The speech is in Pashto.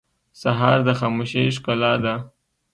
سهار د خاموشۍ ښکلا ده.